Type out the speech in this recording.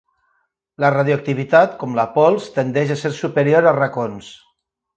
La radioactivitat, com la pols, tendeix a ser superior als racons.